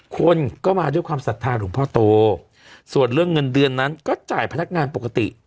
คนก็มาด้วยความศรัทธาหลวงพ่อโตส่วนเรื่องเงินเดือนนั้นก็จ่ายพนักงานปกติ